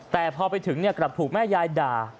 แต่พอไปถึงกลับถูกแม่ยายด่า